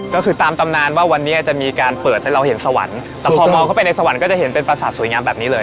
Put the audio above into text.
ก็คือตามตำนานว่าวันนี้จะมีการเปิดให้เราเห็นสวรรค์แต่พอมองเข้าไปในสวรรค์ก็จะเห็นเป็นประสาทสวยงามแบบนี้เลย